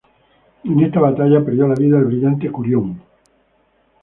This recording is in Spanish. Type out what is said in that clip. En esta batalla perdió la vida el brillante Curión.